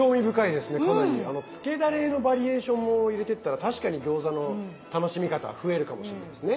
あのつけダレのバリエーションも入れてったら確かに餃子の楽しみ方増えるかもしれないですね。